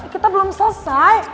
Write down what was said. kita belum selesai